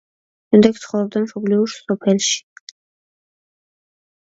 შემდეგ ცხოვრობდა მშობლიურ სოფელში.